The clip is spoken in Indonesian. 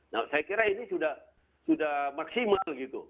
nah saya kira ini sudah maksimal gitu